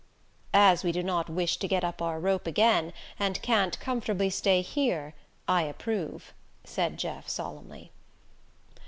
"As we do not wish to get up our rope again and can't comfortably stay here I approve," said Jeff solemnly.